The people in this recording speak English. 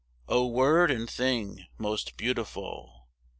O, word and thing most beautiful!